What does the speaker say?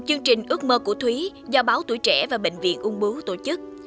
chương trình ước mơ của thúy do báo tuổi trẻ và bệnh viện ung bú tổ chức